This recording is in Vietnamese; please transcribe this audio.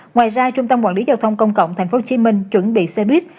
ngoài ra trung tâm quản lý giao thông công cộng tp hcm chuẩn bị xe buýt